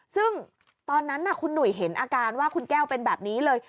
ซึ่งตอนนั้นคุณหนุ่ยเห็นอาการว่าคุณแก้วเป็นแบบนี้เลย